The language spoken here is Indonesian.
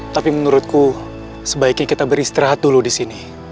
tapi menurutku sebaiknya kita beristirahat dulu di sini